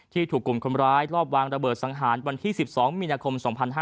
ถูกกลุ่มคนร้ายรอบวางระเบิดสังหารวันที่๑๒มีนาคม๒๕๕๙